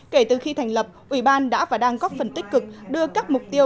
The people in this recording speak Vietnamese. kể từ khi thành lập ủy ban đã và đang góp phần tích cực đưa các mục tiêu